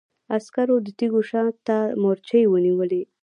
عسکرو د تيږو شا ته مورچې ونيولې.